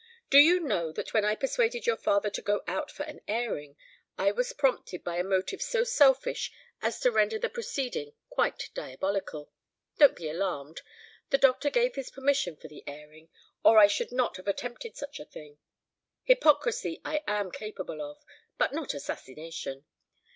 Do you know that when I persuaded your father to go out for an airing, I was prompted by a motive so selfish as to render the proceeding quite diabolical? Don't be alarmed! The doctor gave his permission for the airing, or I should not have attempted such a thing. Hypocrisy I am capable of, but not assassination.